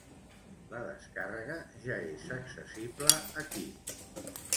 La descàrrega ja és accessible aquí.